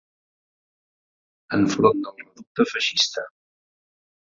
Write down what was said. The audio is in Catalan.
Enfront del reducte feixista